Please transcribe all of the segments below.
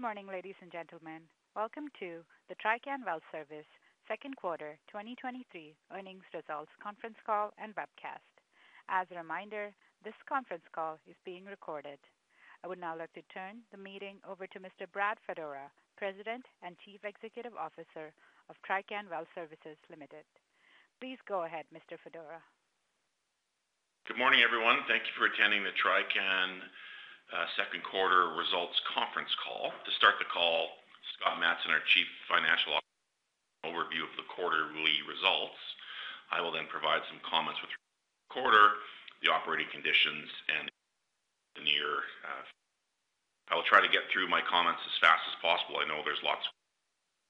Good morning, ladies and gentlemen. Welcome to the Trican Well Service second quarter 2023 earnings results conference call and webcast. As a reminder, this conference call is being recorded. I would now like to turn the meeting over to Mr. Brad Fedora, President and Chief Executive Officer of Trican Well Service Limited. Please go ahead, Mr. Fedora. Good morning, everyone. Thank you for attending the Trican second quarter results conference call. To start the call, Scott Matson, our Chief Financial Officer, overview of the quarterly results. I will then provide some comments with quarter, the operating conditions, and the near. I will try to get through my comments as fast as possible. I know there's lots of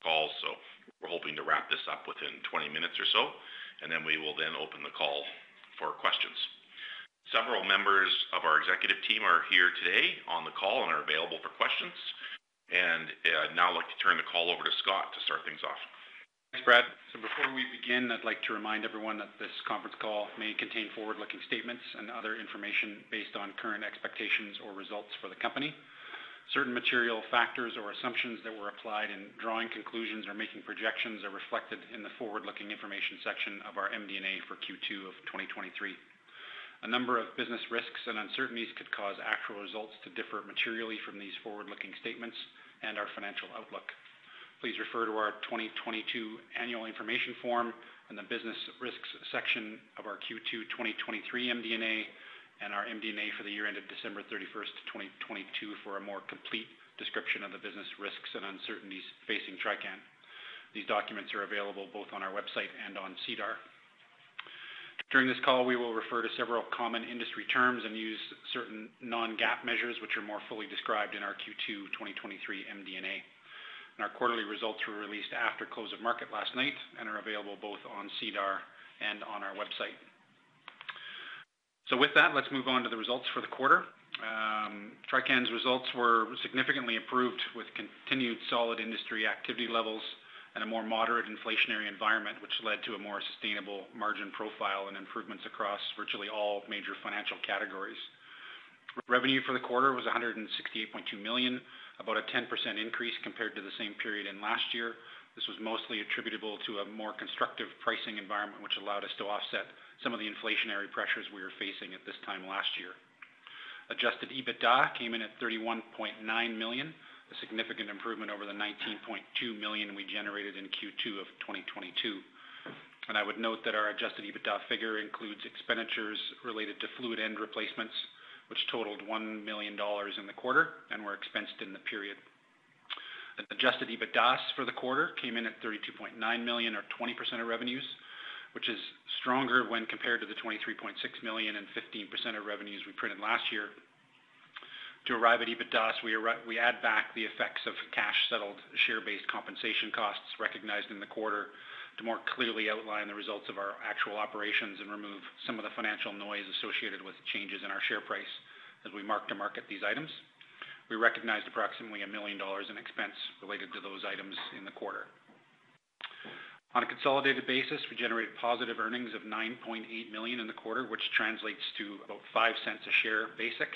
calls, so we're hoping to wrap this up within 20 minutes or so, and then we will then open the call for questions. Several members of our executive team are here today on the call and are available for questions, and I'd now like to turn the call over to Scott to start things off. Thanks, Brad. Before we begin, I'd like to remind everyone that this conference call may contain forward-looking statements and other information based on current expectations or results for the company. Certain material factors or assumptions that were applied in drawing conclusions or making projections are reflected in the forward-looking information section of our MD&A for Q2 of 2023. A number of business risks and uncertainties could cause actual results to differ materially from these forward-looking statements and our financial outlook. Please refer to our 2022 Annual Information Form and the business risks section of our Q2 2023 MD&A and our MD&A for the year ended December 31st, 2022, for a more complete description of the business risks and uncertainties facing Trican. These documents are available both on our website and on SEDAR. During this call, we will refer to several common industry terms and use certain non-GAAP measures, which are more fully described in our Q2 2023 MD&A. Our quarterly results were released after close of market last night and are available both on SEDAR and on our website. With that, let's move on to the results for the quarter. Trican's results were significantly improved, with continued solid industry activity levels and a more moderate inflationary environment, which led to a more sustainable margin profile and improvements across virtually all major financial categories. Revenue for the quarter was 168.2 million, about a 10% increase compared to the same period in last year. This was mostly attributable to a more constructive pricing environment, which allowed us to offset some of the inflationary pressures we were facing at this time last year. Adjusted EBITDA came in at 31.9 million, a significant improvement over the 19.2 million we generated in Q2 of 2022. I would note that our Adjusted EBITDA figure includes expenditures related to fluid end replacements, which totaled 1 million dollars in the quarter and were expensed in the period. Adjusted EBITDAS for the quarter came in at 32.9 million or 20% of revenues, which is stronger when compared to the 23.6 million and 15% of revenues we printed last year. To arrive at EBITDAS, we add back the effects of cash-settled, share-based compensation costs recognized in the quarter to more clearly outline the results of our actual operations and remove some of the financial noise associated with changes in our share price as we mark to market these items. We recognized approximately 1 million dollars in expense related to those items in the quarter. On a consolidated basis, we generated positive earnings of 9.8 million in the quarter, which translates to about five cents a share basic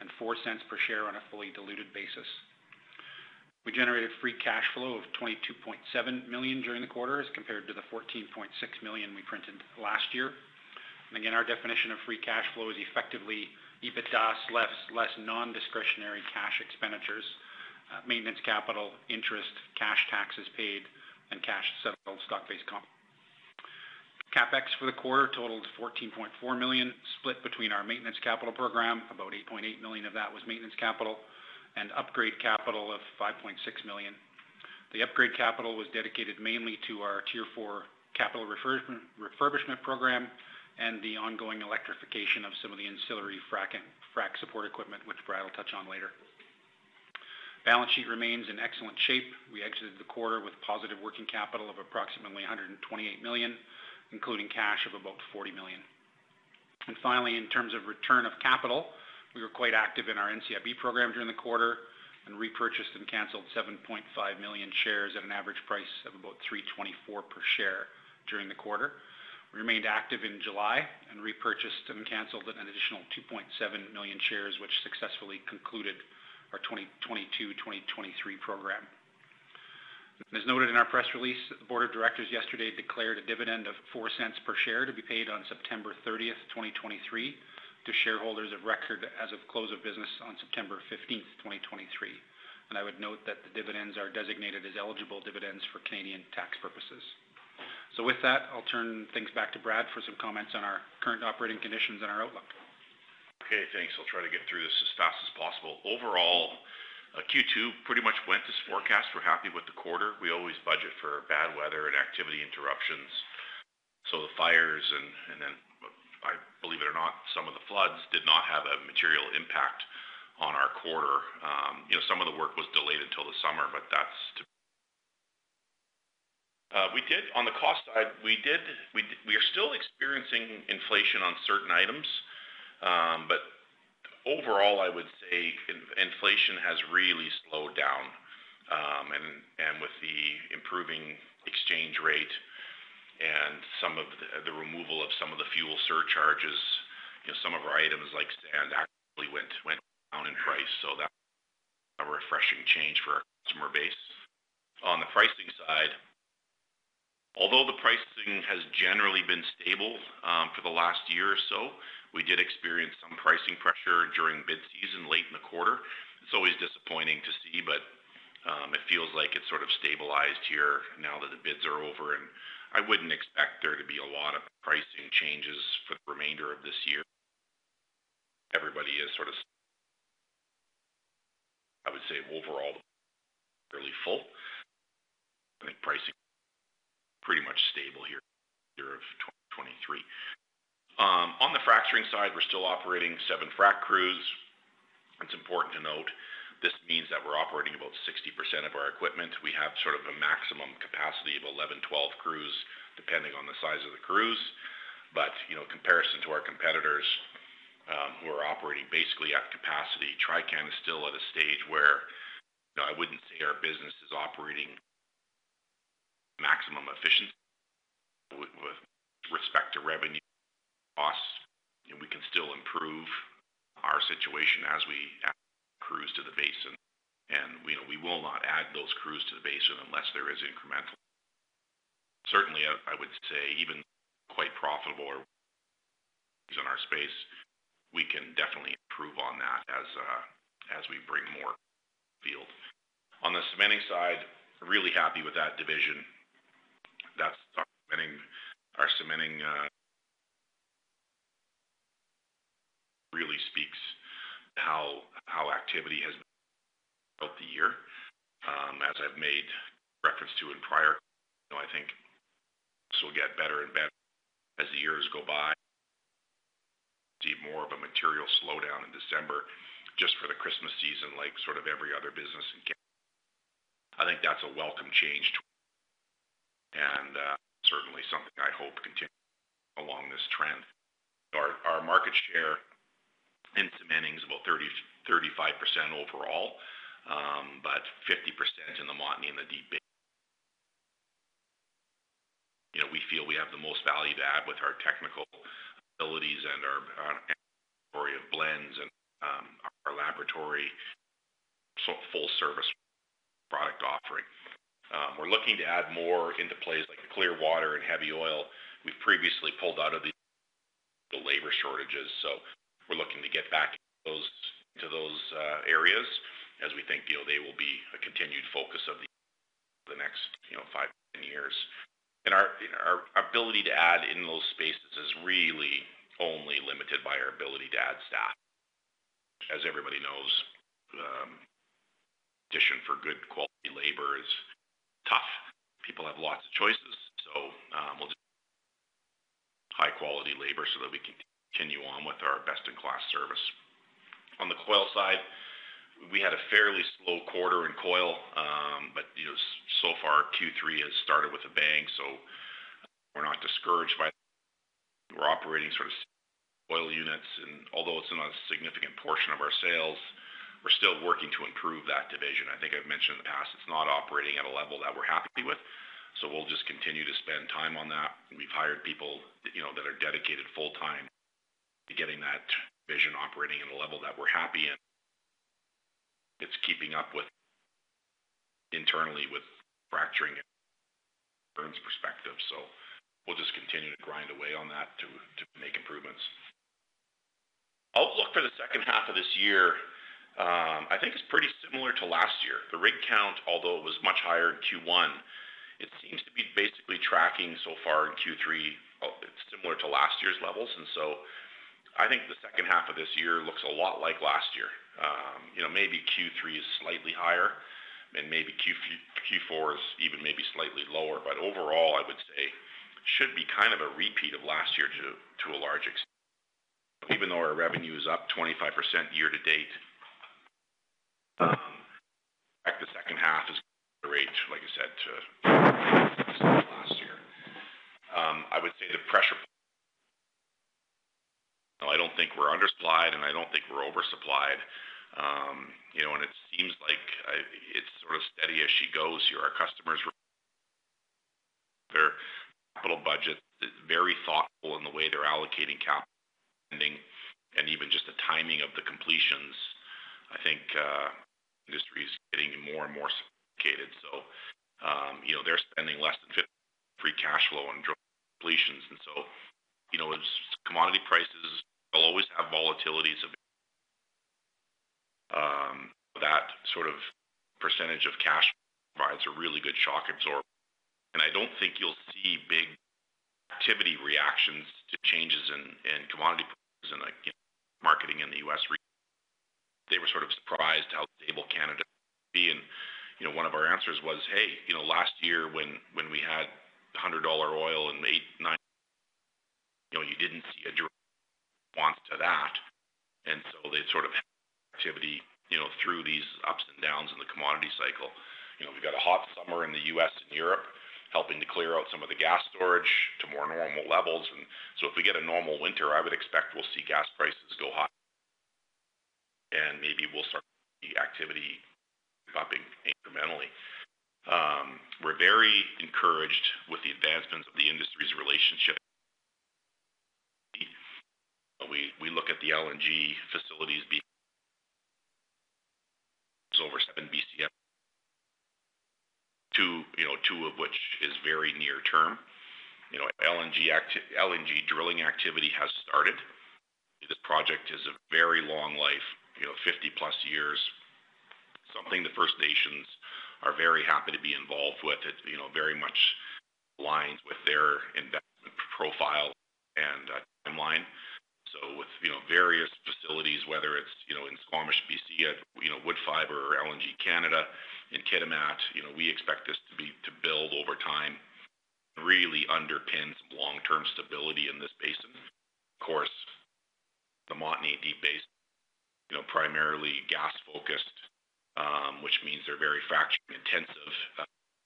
and four cents per share on a fully diluted basis. We generated free cash flow of 22.7 million during the quarter, as compared to the 14.6 million we printed last year. Again, our definition of free cash flow is effectively EBITDAS, less non-discretionary cash expenditures, maintenance, capital, interest, cash taxes paid, and cash-settled stock-based comp. CapEx for the quarter totaled 14.4 million, split between our maintenance capital program. About 8.8 million of that was maintenance capital and upgrade capital of 5.6 million. The upgrade capital was dedicated mainly to our Tier 4 capital refurbishment program and the ongoing electrification of some of the ancillary frac and frac support equipment, which Brad will touch on later. Balance sheet remains in excellent shape. We exited the quarter with positive working capital of approximately 128 million, including cash of about 40 million. Finally, in terms of return of capital, we were quite active in our NCIB program during the quarter and repurchased and canceled 7.5 million shares at an average price of about 3.24 per share during the quarter. We remained active in July and repurchased and canceled an additional 2.7 million shares, which successfully concluded our 2022-2023 program. As noted in our press release, the Board of Directors yesterday declared a dividend of 0.04 per share to be paid on September 30th, 2023, to shareholders of record as of close of business on September 15th, 2023. I would note that the dividends are designated as eligible dividends for Canadian tax purposes. With that, I'll turn things back to Brad for some comments on our current operating conditions and our outlook. Okay, thanks. I'll try to get through this as fast as possible. Overall, Q2 pretty much went as forecast. We're happy with the quarter. We always budget for bad weather and activity interruptions. The fires, I believe it or not, some of the floods did not have a material impact on our quarter. You know, some of the work was delayed until the summer, but that's to. On the cost side, we are still experiencing inflation on certain items. Overall, I would say inflation has really slowed down. With the improving exchange rate, some of the removal of some of the fuel surcharges, you know, some of our items like sand, actually went down in price, so that's a refreshing change for our customer base. On the pricing side, although the pricing has generally been stable, for the last year or so, we did experience some pricing pressure during bid season late in the quarter. It's always disappointing to see, but it feels like it's sort of stabilized here now that the bids are over, and I wouldn't expect there to be a lot of pricing changes for the remainder of this year. Everybody is sort of, I would say, overall, fairly full. I think pricing pretty much stable here, year of 2023. On the fracturing side, we're still operating seven frac crews. It's important to note this means that we're operating about 60% of our equipment. We have sort of a maximum capacity of 11-12 crews, depending on the size of the crews. You know, comparison to our competitors, who are operating basically at capacity, Trican is still at a stage where I wouldn't say our business is operating maximum efficiency with, with respect to revenue costs, and we can still improve our situation as we add crews to the basin. You know, we will not add those crews to the basin unless there is incremental. Certainly, I, I would say even quite profitable or in our space, we can definitely improve on that as we bring more field. The cementing side, really happy with that division. That's our cementing. Our cementing really speaks to how, how activity has built the year. As I've made reference to in prior, you know, I think this will get better and better as the years go by. See more of a material slowdown in December, just for the Christmas season, like sort of every other business in Canada. I think that's a welcome change, and certainly something I hope continues along this trend. Our, our market share in cementing is about 30%-35% overall, but 50% in the Montney in the deep basin. You know, we feel we have the most value to add with our technical abilities and our, our story of blends and our laboratory, so full service product offering. We're looking to add more into plays like Clearwater and heavy oil. We've previously pulled out of the, the labor shortages, so we're looking to get back into those, to those areas as we think they will be a continued focus of the, the next, you know, five to 10 years. Our, our ability to add in those spaces is really only limited by our ability to add staff. As everybody knows, addition for good quality labor is tough. People have lots of choices, we'll just high-quality labor so that we can continue on with our best-in-class service. On the coil side, we had a fairly slow quarter in coil, you know, so far, Q3 has started with a bang, so we're not discouraged by. We're operating sort of coil units, and although it's not a significant portion of our sales, we're still working to improve that division. I think I've mentioned in the past, it's not operating at a level that we're happy with, so we'll just continue to spend time on that. We've hired people, you know, that are dedicated full-time to getting that vision operating in a level that we're happy and it's keeping up with internally, with fracturing firms perspective. We'll just continue to grind away on that to make improvements. Outlook for the second half of this year, I think is pretty similar to last year. The rig count, although it was much higher in Q1, it seems to be basically tracking so far in Q3 similar to last year's levels. I think the second half of this year looks a lot like last year. You know, maybe Q3 is slightly higher and maybe Q4 is even maybe slightly lower. Overall, I would say, should be kind of a repeat of last year to a large extent. Even though our revenue is up 25% year to date, like the second half is great, like you said, to last year. I would say the pressure, I don't think we're undersupplied, and I don't think we're oversupplied. You know, and it seems like, it's sort of steady as she goes here. Our customers, their capital budget is very thoughtful in the way they're allocating capital, and even just the timing of the completions, I think, industry is getting more and more sophisticated. So, you know, they're spending less than free cash flow on completions, and so, you know, as commodity prices will always have volatilities, that sort of percentage of cash provides a really good shock absorber. I don't think you'll see big activity reactions to changes in, in commodity prices and like marketing in the U.S. They were sort of surprised how stable Canada can be. You know, one of our answers was, "Hey, you know, last year when, when we had 100 dollar oil in late 22, you know, you didn't see a drop wants to that." They sort of activity, you know, through these ups and downs in the commodity cycle. You know, we've got a hot summer in the U.S. and Europe, helping to clear out some of the gas storage to more normal levels. If we get a normal winter, I would expect we'll see gas prices go high. Incrementally. We're very encouraged with the advancements of the industry's relationship. We, we look at the LNG facilities being over 7 Bcf. Two, you know, two of which is very near term. You know, LNG drilling activity has started. This project is a very long life, you know, 50+ years, something the First Nations are very happy to be involved with. It, you know, very much aligns with their investment profile and timeline. With, you know, various facilities, whether it's, you know, in Squamish, B.C., at, you know, Woodfibre or LNG Canada in Kitimat, you know, we expect this to build over time, really underpins long-term stability in this basin. Of course, the Montney Deep Basin, you know, primarily gas-focused, which means they're very fraction intensive.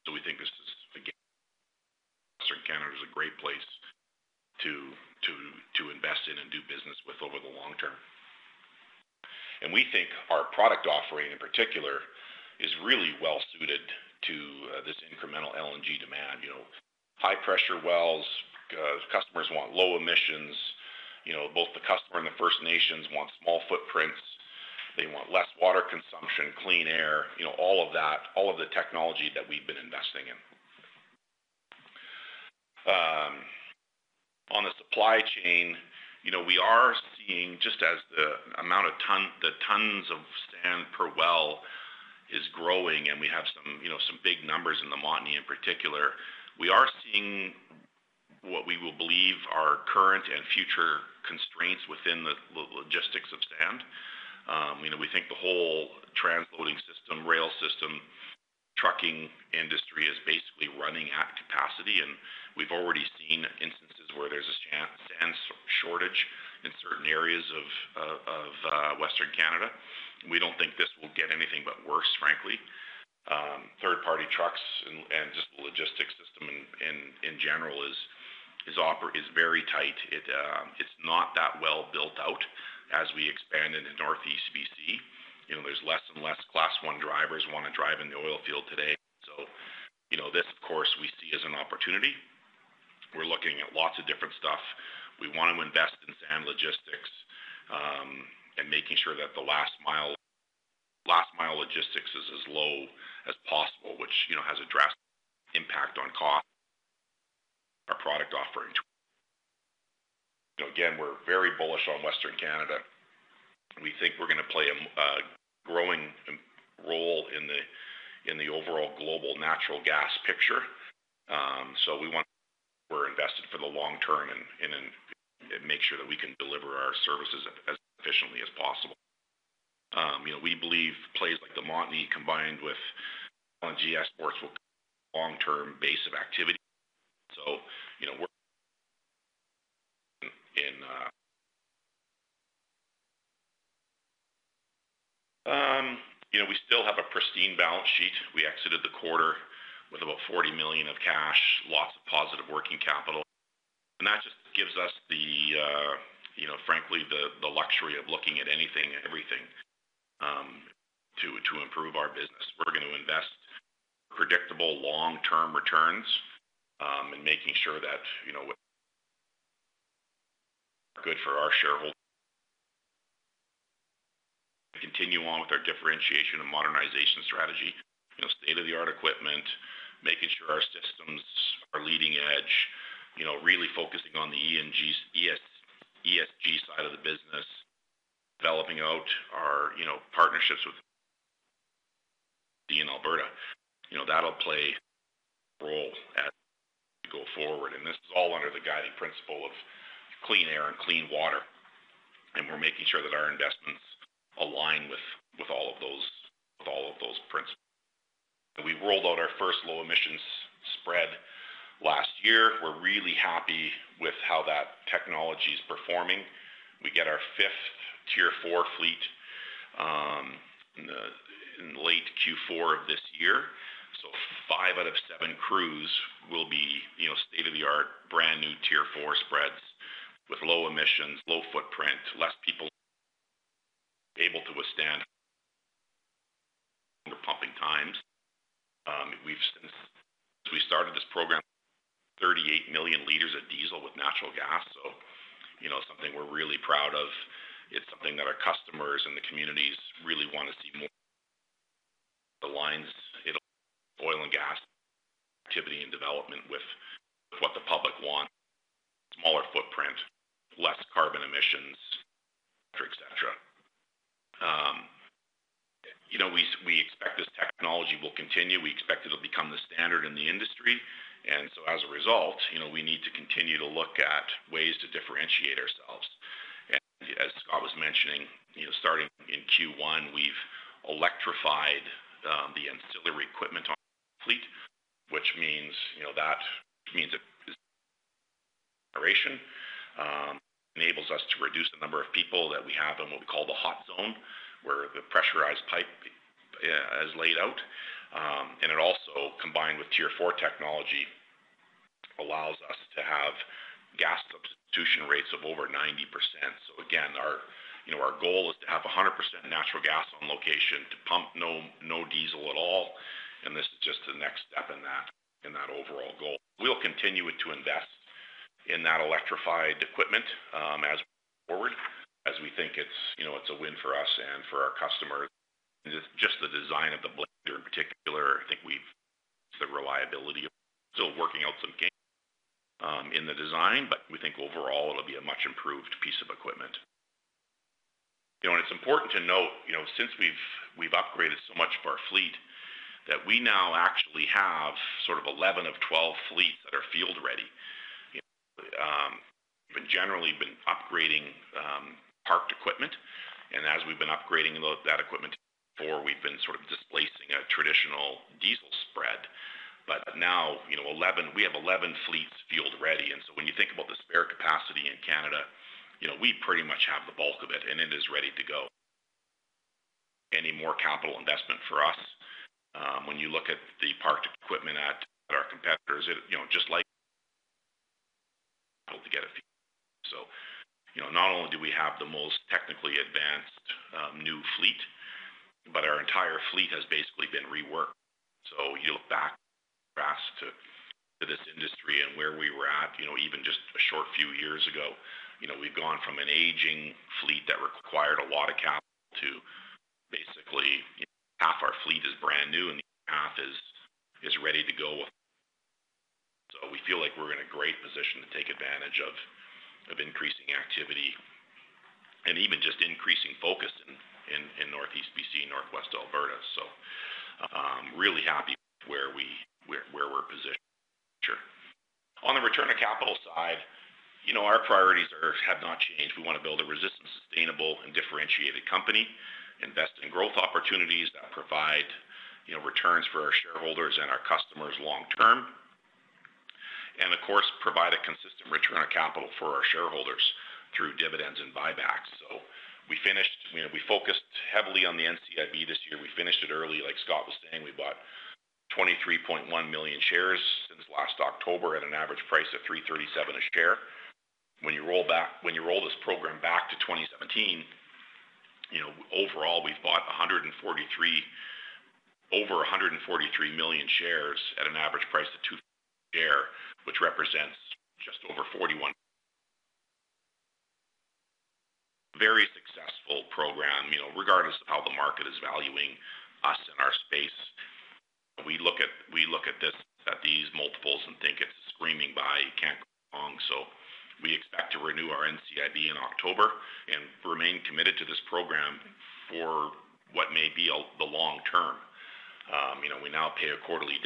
We think this is, again, Western Canada is a great place to invest in and do business with over the long term. We think our product offering, in particular, is really well suited to this incremental LNG demand. You know, high-pressure wells, customers want low emissions. You know, both the customer and the First Nations want small footprints. They want less water consumption, clean air, you know, all of that, all of the technology that we've been investing in. On the supply chain, you know, we are seeing just as the amount of the tons of sand per well is growing, and we have some, you know, some big numbers in the Montney in particular. We are seeing what we will believe are current and future constraints within the, the logistics of sand. You know, we think the whole transloading system, rail system, trucking industry is basically running at capacity, and we've already seen instances where there's a sand, sand shortage in certain areas of Western Canada. We don't think this will get anything but worse, frankly. Third-party trucks and just the logistics system in general is very tight. It's not that well built out as we expand into Northeast BC. You know, there's less and less Class 1 drivers who want to drive in the oilfield today. You know, this, of course, we see as an opportunity. We're looking at lots of different stuff. We want to invest in sand logistics and making sure that the last-mile logistics is as low as possible, which, you know, has a drastic impact on cost. Our product offering. Again, we're very bullish on Western Canada. We think we're going to play a growing role in the overall global natural gas picture. We want. We're invested for the long term and make sure that we can deliver our services as efficiently as possible. You know, we believe plays like the Montney, combined with LNG exports, will long-term base of activity. You know, we're in, you know, we still have a pristine balance sheet. We exited the quarter with about 40 million of cash, lots of positive working capital. That just gives us the, you know, frankly, the luxury of looking at anything and everything to improve our business. We're going to invest predictable long-term returns and making sure that, you know, good for our shareholders. Continue on with our differentiation and modernization strategy. You know, state-of-the-art equipment, making sure our systems are leading-edge, you know, really focusing on the ESG side of the business, developing out our, you know, partnerships with in Alberta. You know, that'll play a role as we go forward, this is all under the guiding principle of clean air and clean water, and we're making sure that our investments align with, with all of those, with all of those principles. We rolled out our first low emissions spread last year. We're really happy with how that technology is performing. We get our fifth Tier 4 fleet in late Q4 of this year. Five out of seven crews will be, you know, state-of-the-art, brand new Tier 4 spreads with low emissions, low footprint, less people able to withstand the pumping times. Since we started this program, 38 million liters of diesel with natural gas, so you know, something we're really proud of. It's something that our customers and the communities really want to see more the lines in oil and gas, activity and development with, with what the public wants, smaller footprint, less carbon emissions, etcetera. You know, we, we expect this technology will continue. We expect it'll become the standard in the industry, and so as a result, you know, we need to continue to look at ways to differentiate ourselves. As Scott was mentioning, you know, starting in Q1, we've electrified the ancillary equipment on the fleet, which means, you know, that means it is operation. Enables us to reduce the number of people that we have in what we call the hot zone, where the pressurized pipe is laid out. And it also, combined with Tier 4 technology, allows us to have gas substitution rates of over 90%. Again, our, you know, our goal is to have 100% natural gas on location, to pump no, no diesel at all, and this is just the next step in that, in that overall goal. We'll continue to invest in that electrified equipment as forward, as we think it's, you know, it's a win for us and for our customers. Just the design of the blender in particular, I think we've the reliability, still working out some gain in the design, but we think overall it'll be a much improved piece of equipment. You know, and it's important to note, you know, since we've, we've upgraded so much of our fleet, that we now actually have sort of 11 of 12 fleets that are field ready. Generally been upgrading parked equipment, and as we've been upgrading load, that equipment for, we've been sort of displacing a traditional diesel spread. Now, you know, eleven-- we have 11 fleets field ready, when you think about the spare capacity in Canada, you know, we pretty much have the bulk of it, and it is ready to go. Any more capital investment for us, when you look at the parked equipment at our competitors, it, you know, just like, to get it. You know, not only do we have the most technically advanced new fleet, but our entire fleet has basically been reworked. You look back fast to, to this industry and where we were at, you know, even just a short few years ago, you know, we've gone from an aging fleet that required a lot of capital to basically half our fleet is brand new and the other half is, is ready to go. We feel like we're in a great position to take advantage of, of increasing activity and even just increasing focus in, in, in Northeast BC, Northwest Alberta. Really happy where we're positioned. Sure. On the return of capital side, you know, our priorities are, have not changed. We want to build a resistant, sustainable, and differentiated company, invest in growth opportunities that provide, you know, returns for our shareholders and our customers long term. Of course, provide a consistent return on capital for our shareholders through dividends and buybacks. you know, we focused heavily on the NCIB this year. We finished it early, like Scott Matson was saying, we bought 23.1 million shares since last October at an average price of 3.37 a share. When you roll this program back to 2017, you know, overall, we've bought over 143 million shares at an average price of 2 a share, which represents just over 41%. Very successful program, you know, regardless of how the market is valuing us and our space. We look at this, at these multiples and think it's screaming buy, you can't go wrong. We expect to renew our NCIB in October and remain committed to this program for what may be the long term. you know, we now pay a quarterly.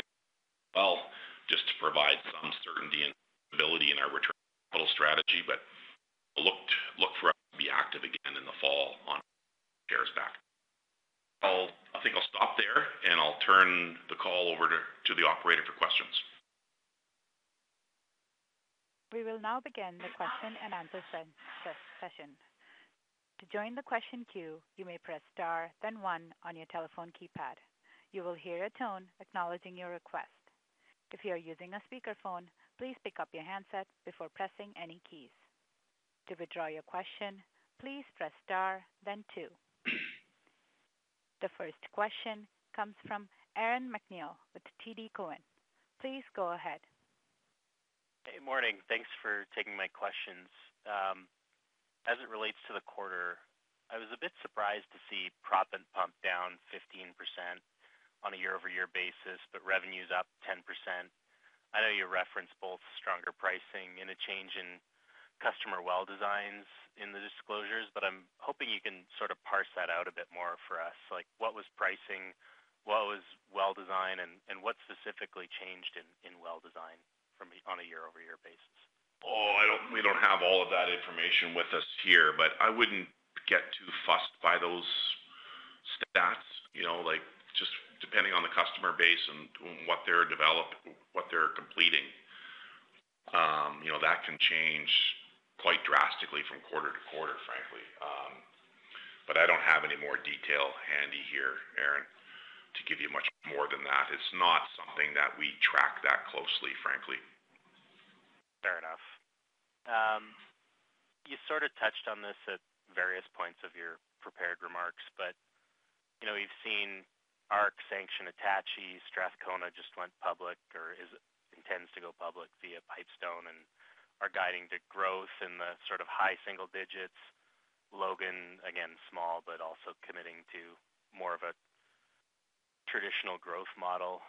Well, just to provide some certainty and stability in our return capital strategy, but look, look for us to be active again in the fall on shares back. I think I'll stop there, and I'll turn the call over to, to the operator for questions. We will now begin the question and answer session. To join the question queue, you may press Star, then one on your telephone keypad. You will hear a tone acknowledging your request. If you are using a speakerphone, please pick up your handset before pressing any keys. To withdraw your question, please press Star, then two. The first question comes from Aaron MacNeil with TD Cowen. Please go ahead. Good morning. Thanks for taking my questions. As it relates to the quarter, I was a bit surprised to see proppant pump down 15% on a year-over-year basis, but revenues up 10%. I know you referenced both stronger pricing and a change in customer well designs in the disclosures, but I'm hoping you can sort of parse that out a bit more for us. Like, what was pricing, what was well design, and what specifically changed in, in well design from a, on a year-over-year basis? Oh, I don't, we don't have all of that information with us here, but I wouldn't get too fussed by those stats. You know, like, just depending on the customer base and what they're developing, what they're completing, you know, that can change quite drastically from quarter to quarter, frankly. I don't have any more detail handy here, Aaron, to give you much more than that. It's not something that we track that closely, frankly. Fair enough. You sort of touched on this at various points of your prepared remarks, you know, we've seen ARC sanction Attachie, Strathcona just went public or is-- intends to go public via Pipestone and are guiding to growth in the sort of high single digits. Logan, again, small, but also committing to more of a traditional growth model.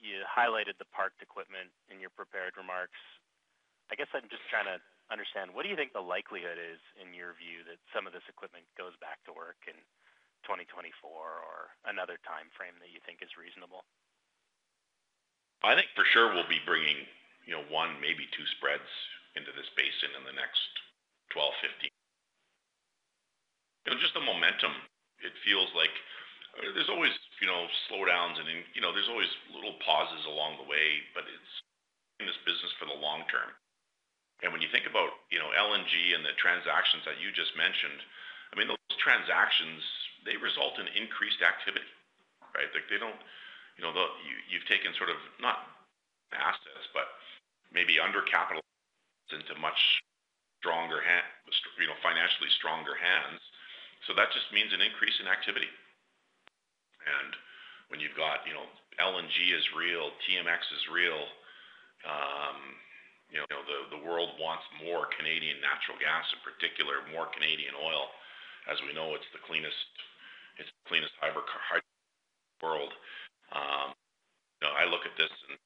You highlighted the parked equipment in your prepared remarks. I guess I'm just trying to understand, what do you think the likelihood is, in your view, that some of this equipment goes back to work in 2024 or another time frame that you think is reasonable? I think for sure we'll be bringing, you know, one, maybe two spreads into this basin in the next 12, 15. You know, just the momentum, it feels like there's always, you know, slowdowns and then, you know, there's always little pauses along the way, but it's in this business for the long-. The transactions that you just mentioned, I mean, those transactions, they result in increased activity, right? Like, they don't, you know, you, you've taken sort of not assets, but maybe undercapitalized into much stronger hand, you know, financially stronger hands. That just means an increase in activity. When you've got, you know, LNG is real, TMX is real, you know, the, the world wants more Canadian natural gas, in particular, more Canadian oil. As we know, it's the cleanest, it's the cleanest hydrocarbon in the world. You know, I look at this and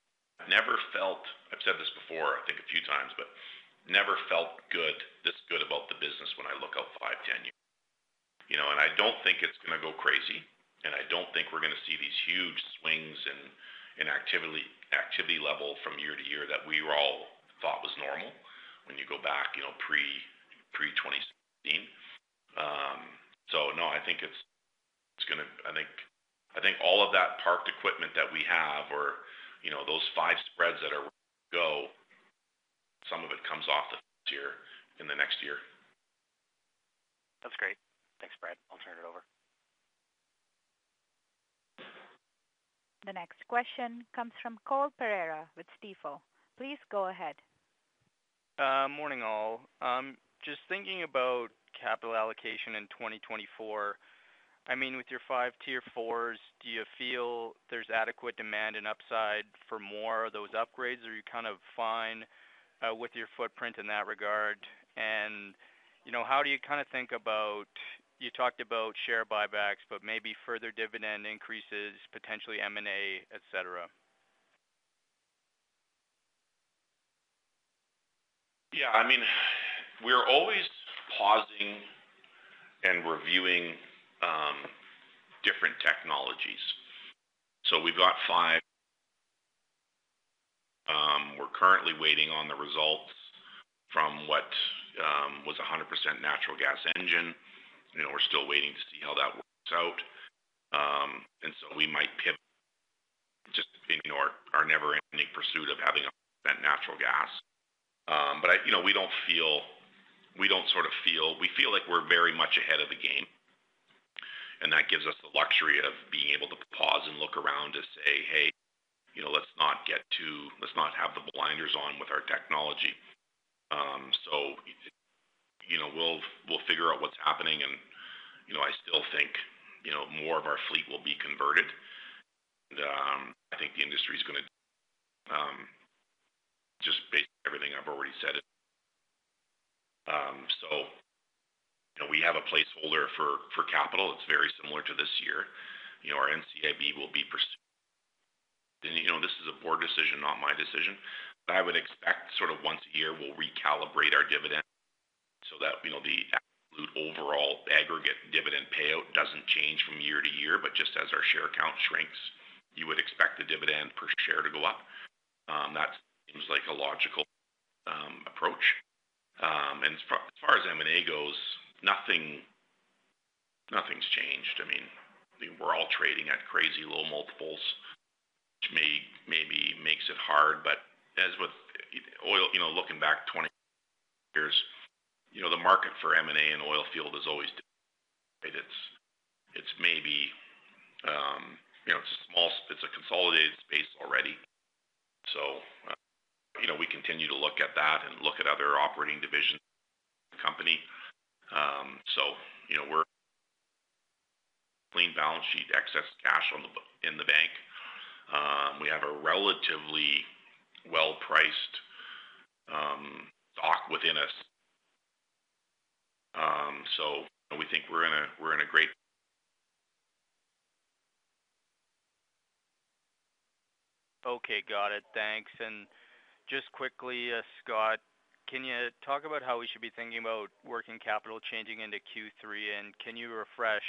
I've never felt. I've said this before, I think a few times, but never felt good, this good about the business when I look out five, 10 years. You know, I don't think it's gonna go crazy, I don't think we're gonna see these huge swings in, in activity, activity level from year to year that we were all thought was normal when you go back, you know, pre, pre-2016. No, I think it's, I think, I think all of that parked equipment that we have or, you know, those five spreads that are, some of it comes off the tier in the next year. That's great. Thanks, Brad. I'll turn it over. The next question comes from Cole Pereira with Stifel. Please go ahead. Morning, all. Just thinking about capital allocation in 2024. I mean, with your five Tier 4s, do you feel there's adequate demand and upside for more of those upgrades, or are you kind of fine with your footprint in that regard? You know, how do you kinda think about... You talked about share buybacks, but maybe further dividend increases, potentially M&A, et cetera. Yeah, I mean, we're always pausing and reviewing different technologies. So we've got 5. We're currently waiting on the results from what was a 100% natural gas engine. You know, we're still waiting to see how that works out. So we might pivot just in our, our never-ending pursuit of having a percent natural gas. I, you know, we don't feel, we don't sort of feel, we feel like we're very much ahead of the game, and that gives us the luxury of being able to pause and look around to say, "Hey, you know, let's not get too, let's not have the blinders on with our technology." You know, we'll, we'll figure out what's happening and, you know, I still think, you know, more of our fleet will be converted. I think the industry is gonna, just based on everything I've already said. You know, we have a placeholder for capital. It's very similar to this year. You know, our NCIB will be pursued. You know, this is a Board decision, not my decision, but I would expect sort of once a year, we'll recalibrate our dividend so that, you know, the absolute overall aggregate dividend payout doesn't change from year to year, but just as our share count shrinks, you would expect the dividend per share to go up. That seems like a logical approach. As far as M&A goes, nothing, nothing's changed. I mean, we're all trading at crazy low multiples, which maybe makes it hard. As with oil, you know, looking back 20 years, you know, the market for M&A in the oilfield is always different. It's, it's maybe, you know, it's a consolidated space already. You know, we continue to look at that and look at other operating divisions company. You know, we're clean balance sheet, excess cash on the, in the bank. We have a relatively well-priced, stock within us. We think we're in a, we're in a great. Okay, got it. Thanks. Just quickly, Scott, can you talk about how we should be thinking about working capital changing into Q3? Can you refresh,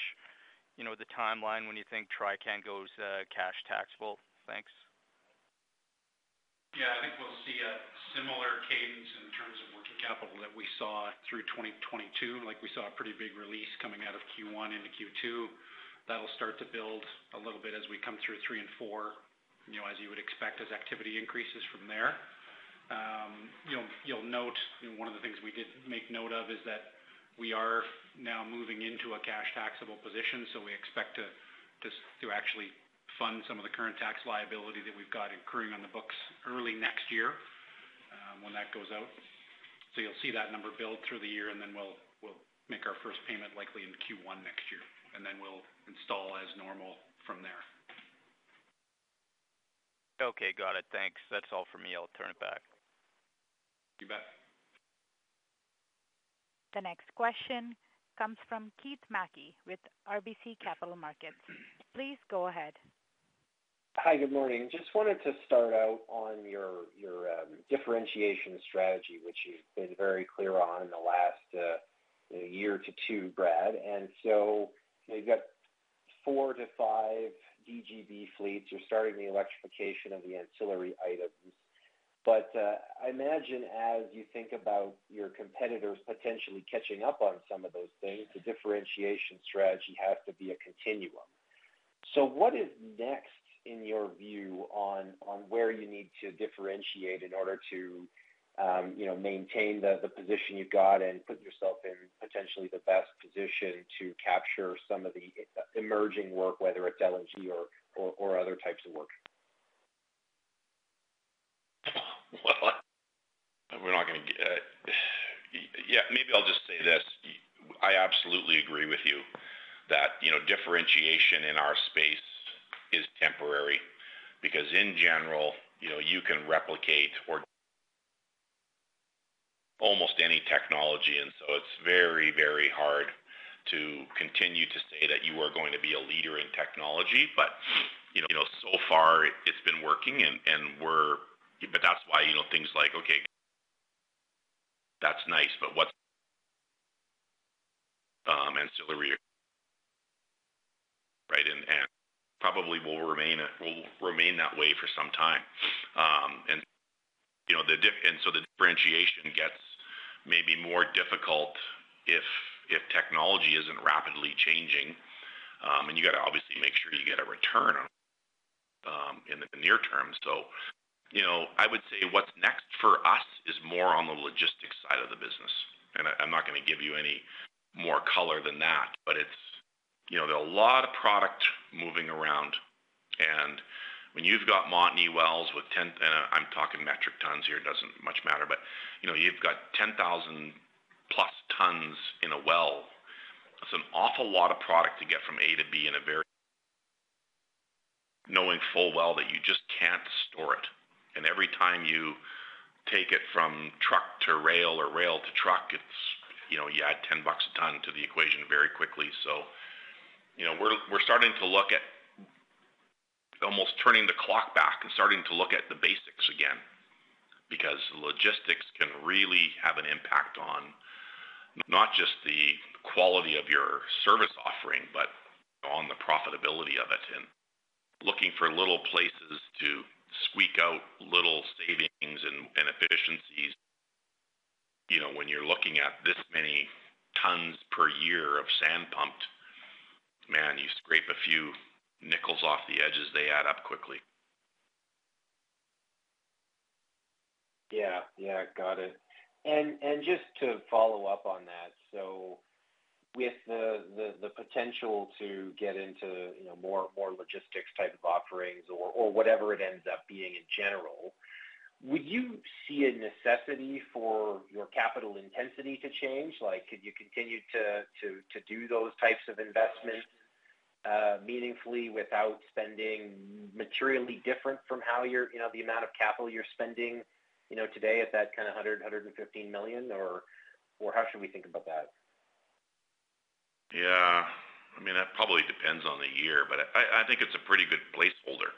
you know, the timeline when you think Trican goes cash taxable? Thanks. Yeah, I think we'll see a similar cadence in terms of working capital that we saw through 2022. Like, we saw a pretty big release coming out of Q1 into Q2. That'll start to build a little bit as we come through three and four, you know, as you would expect, as activity increases from there. You'll, you'll note, one of the things we did make note of is that we are now moving into a cash taxable position, so we expect to actually fund some of the current tax liability that we've got accruing on the books early next year when that goes out. So you'll see that number build through the year, and then we'll, we'll make our first payment, likely in Q1 next year, and then we'll install as normal from there. Okay, got it. Thanks. That's all for me. I'll turn it back. You bet. The next question comes from Keith Mackey with RBC Capital Markets. Please go ahead. Hi, good morning. Just wanted to start out on your, your, differentiation strategy, which you've been very clear on in the last, year to two, Brad. So you've got four to five DGB fleets. You're starting the electrification of the ancillary items. I imagine as you think about your competitors potentially catching up on some of those things, the differentiation strategy has to be a continuum. What is next in your view on, on where you need to differentiate in order to, you know, maintain the, the position you've got and put yourself in potentially the best position to capture some of the, emerging work, whether it's LNG or, or, or other types of work? Well, we're not gonna get... yeah, maybe I'll just say this: I absolutely agree with you that, you know, differentiation in our space is temporary. In general, you know, you can replicate or almost any technology, and so it's very, very hard to continue to say that you are going to be a leader in technology. You know, so far it's been working and we're That's why, you know, things like, okay, that's nice, but what's ancillary, right? Probably will remain, it will remain that way for some time. You know, the diff and so the differentiation gets maybe more difficult if, if technology isn't rapidly changing. And you got to obviously make sure you get a return in the near term. You know, I would say what's next for us is more on the logistics side of the business, and I'm not going to give you any more color than that. It's, you know, there are a lot of product moving around, and when you've got Montney wells with, I'm talking metric tons here, doesn't much matter, but, you know, you've got 10,000 plus tons in a well. That's an awful lot of product to get from A to B in a very. Knowing full well that you just can't store it. Every time you take it from truck to rail or rail to truck, it's, you know, you add 10 bucks a ton to the equation very quickly. You know, we're starting to look at almost turning the clock back and starting to look at the basics again. Because logistics can really have an impact on not just the quality of your service offering, but on the profitability of it, and looking for little places to squeak out little savings and, and efficiencies. You know, when you're looking at this many tons per year of sand pumped, man, you scrape a few nickels off the edges, they add up quickly. Yeah, yeah, got it. Just to follow up on that. With the, the, the potential to get into, you know, more, more logistics type of offerings or, or whatever it ends up being in general, would you see a necessity for your capital intensity to change? Like, could you continue to, to, to do those types of investments, meaningfully without spending materially different from how you're-- you know, the amount of capital you're spending, you know, today at that kind of 100 million-115 million? How should we think about that? Yeah, I mean, that probably depends on the year, but I, I think it's a pretty good placeholder.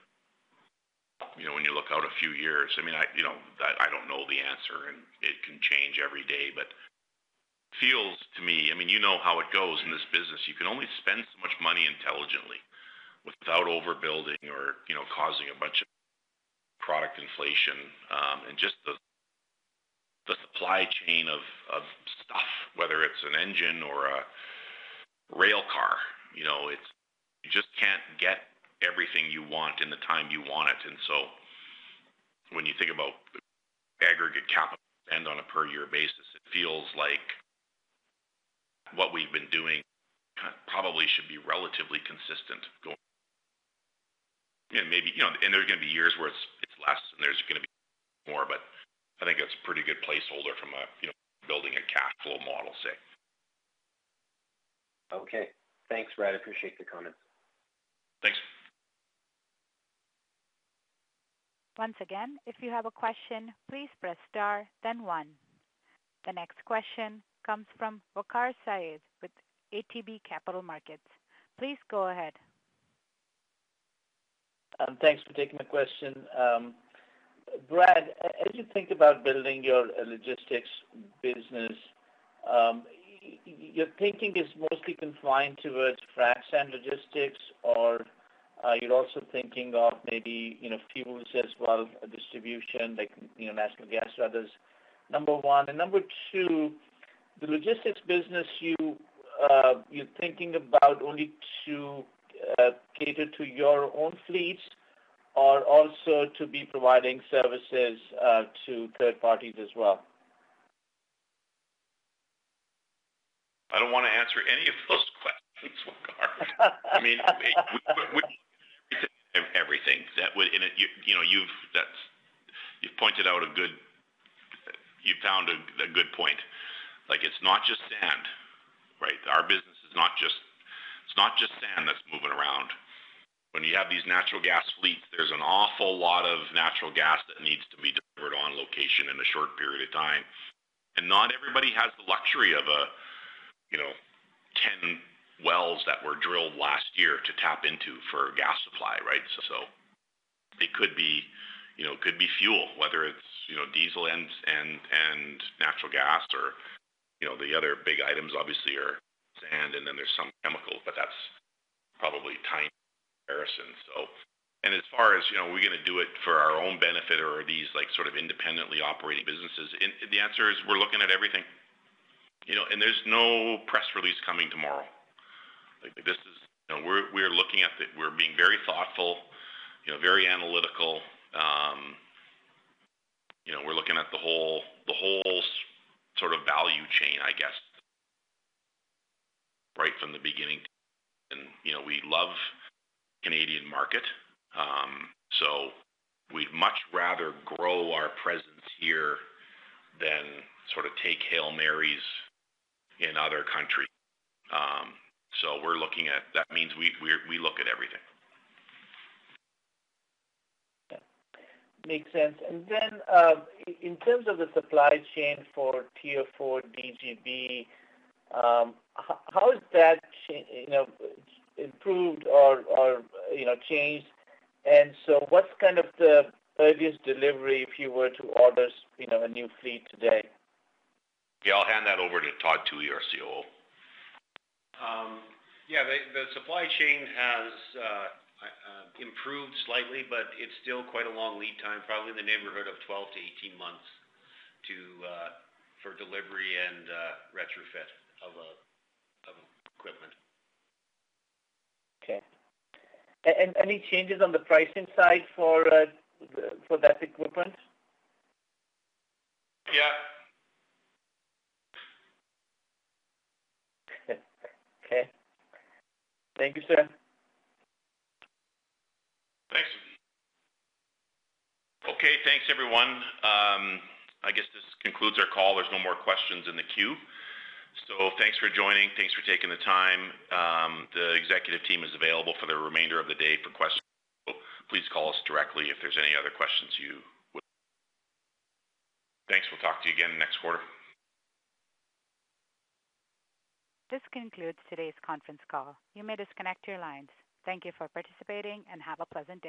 You know, when you look out a few years. I mean, you know, I, I don't know the answer, and it can change every day, but feels to me, I mean, you know how it goes in this business. You can only spend so much money intelligently without overbuilding or, you know, causing a bunch of product inflation, and just the supply chain of stuff, whether it's an engine or a rail car, you know, you just can't get everything you want in the time you want it. When you think about aggregate capital spend on a per year basis, it feels like what we've been doing probably should be relatively consistent going. Yeah, maybe, you know, and there are going to be years where it's, it's less, and there's going to be more, but I think it's a pretty good placeholder from a, you know, building a cash flow model, say. Okay, thanks, Brad. I appreciate the comments. Thanks. Once again, if you have a question, please press star, then one. The next question comes from Waqar Syed with ATB Capital Markets. Please go ahead. Thanks for taking the question. Brad, as you think about building your logistics business, your thinking is mostly confined towards frac sand logistics, or you're also thinking of maybe, you know, fuels as well, distribution, like, you know, natural gas, others? Number one, and number two, the logistics business you're thinking about only to cater to your own fleets or also to be providing services to third parties as well? I don't want to answer any of those questions, Waqar. I mean, we everything. That would, and it, you know, you've, that's you've pointed out a good, you've found a good point. Like, it's not just sand, right? Our business is not just, it's not just sand that's moving around. When you have these natural gas fleets, there's an awful lot of natural gas that needs to be delivered on location in a short period of time. Not everybody has the luxury of a, you know, 10 wells that were drilled last year to tap into for gas supply, right? It could be, you know, it could be fuel, whether it's, you know, diesel and, and, and natural gas or, you know, the other big items obviously are sand, and then there's some chemicals, but that's probably tiny comparison. As far as, you know, we're going to do it for our own benefit or are these, like, sort of independently operating businesses, and the answer is we're looking at everything. You know, there's no press release coming tomorrow. Like, this is, you know, we're, we're looking at it. We're being very thoughtful, you know, very analytical. You know, we're looking at the whole, the whole sort of value chain, I guess, right from the beginning. You know, we love Canadian market, we'd much rather grow our presence here than sort of take Hail Marys in other countries. We're looking at, that means we, we, we look at everything. Yeah, makes sense. Then, in terms of the supply chain for Tier 4 DGB, how is that, you know, improved or, you know, changed? So what's kind of the earliest delivery if you were to order, you know, a new fleet today? Yeah, I'll hand that over to Todd Thue, our COO. Yeah, the supply chain has improved slightly, but it's still quite a long lead time, probably in the neighborhood of 12 to 18 months to for delivery and retrofit of equipment. Okay. Any changes on the pricing side for that equipment? Yeah. Okay. Thank you, sir. Thanks. Okay, thanks, everyone. I guess this concludes our call. There's no more questions in the queue. Thanks for joining. Thanks for taking the time. The executive team is available for the remainder of the day for questions. Please call us directly if there's any other questions you would. Thanks. We'll talk to you again next quarter. This concludes today's conference call. You may disconnect your lines. Thank you for participating, and have a pleasant day.